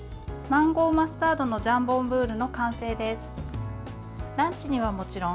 マンゴーマスタードのジャンボンブール。